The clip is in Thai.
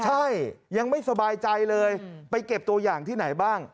ใช่ยังไม่สบายใจเลยไปเก็บตัวอย่างที่ไหนบ้าง